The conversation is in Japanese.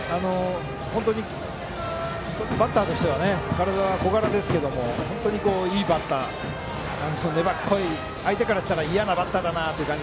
バッターとしては小柄ですけど本当にいいバッターで粘っこい、相手からしたら嫌なバッターですね。